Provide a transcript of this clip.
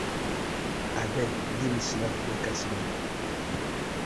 Abeg giv me snuff mek I snuff.